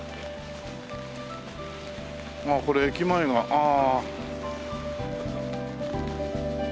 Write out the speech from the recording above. あっこれ駅前がああ。